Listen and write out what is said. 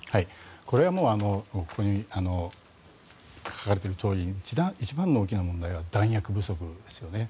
これはもう、ここに書かれているとおり一番の大きな問題は弾薬不足ですよね。